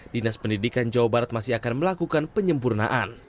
dinas pendidikan jawa barat masih akan melakukan penyempurnaan